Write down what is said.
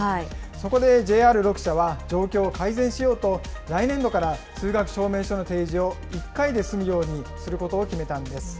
そこでＪＲ６社は、状況を改善しようと、来年度から、通学証明書の提示を１回で済むようにすることを決めたんです。